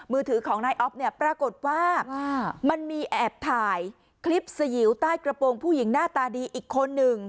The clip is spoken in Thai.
มือถือของนายอ๊อฟเนี่ยปรากฏว่ามันมีแอบถ่ายคลิปสยิวใต้กระโปรงผู้หญิงหน้าตาดีอีกคนหนึ่ง